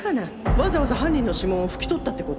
わざわざ犯人の指紋を拭き取ったってこと？